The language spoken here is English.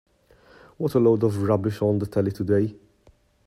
What a load of rubbish on the telly today.